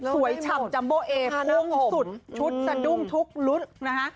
สวยชำจัมโบเอภูมิสุดชุดจะดุ้งทุกข์ลุ้นนะฮะ